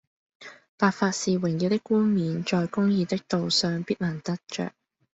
白髮是榮耀的冠冕，在公義的道上必能得著